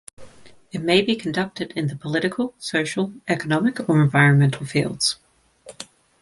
It may be conducted in the political, social, economic or environmental fields.